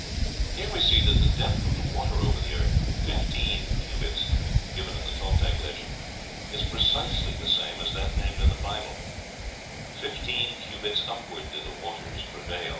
Here we see that the depth of the water over the earth, "fifteen cubits," given in the Toltec legend, is precisely the same as that named in the Bible: "fifteen cubits upward did the waters prevail."